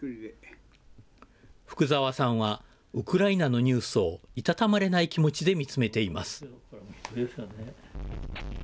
福沢さんはウクライナのニュースを居たたまれない気持ちで見つめています。